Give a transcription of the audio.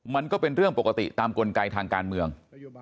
มันก็เป็นเรื่องปกติตามกลไกทางการเมือง